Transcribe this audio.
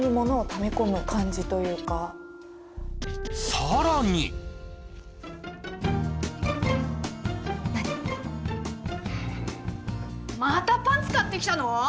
さらにまたパンツ買ってきたの？